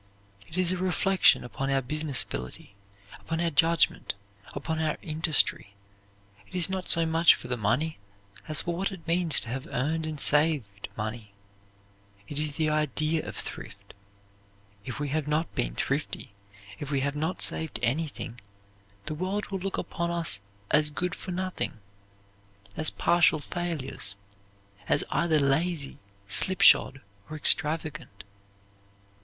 It is a reflection upon our business ability, upon our judgment, upon our industry. It is not so much for the money, as for what it means to have earned and saved money; it is the idea of thrift. If we have not been thrifty, if we have not saved anything, the world will look upon us as good for nothing, as partial failures, as either lazy, slipshod, or extravagant.